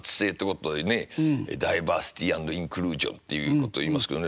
ダイバーシティ＆インクルージョンっていうことをいいますけどね